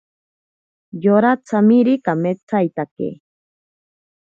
Yora tsamiri kametsaitake.